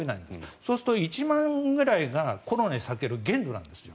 そうすると１万ぐらいがコロナに避ける限度なんです。